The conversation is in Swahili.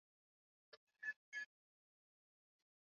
Imekuwa moja ya nchi zinazo tembelewa sana Afrika ya kati